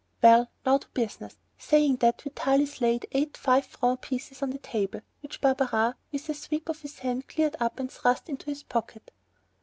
"Well, now to business." Saying that, Vitalis laid eight five franc pieces on the table, which Barberin with a sweep of his hand cleared up and thrust into his pocket.